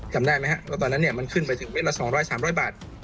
จำได้ไหมครับว่าตอนนั้นมันขึ้นไปถึงเต็ดละ๒๐๐๓๐๐บาท